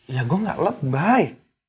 ya gue gak lebay